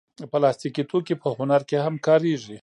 پلاستيکي توکي په هنر کې هم کارېږي.